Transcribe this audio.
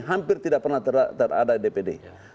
hampir tidak pernah teradai dpd